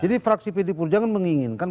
jadi fraksi pdpur jangan menginginkan